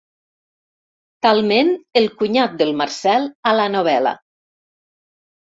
Talment el cunyat del Marcel a la novel·la.